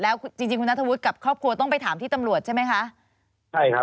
แล้วจริงคุณนัททะวุฒิกับครอบครัวต้องไปถามที่ตำรวจใช่ไหมคะ